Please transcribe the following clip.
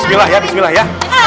bismillah ya bismillah ya